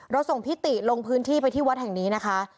ส่งพิติลงพื้นที่ไปที่วัดแห่งนี้นะคะ